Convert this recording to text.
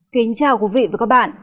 kính chào quý vị và các bạn